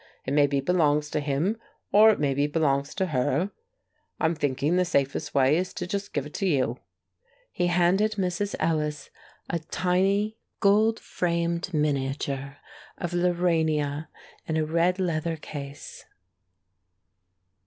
It maybe belongs to him, or it maybe belongs to her; I'm thinking the safest way is to just give it to you." He handed Mrs. Ellis a tiny gold framed miniature of Lorania in a red leather case.